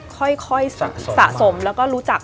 ค่อยสะสมแล้วก็รู้จัก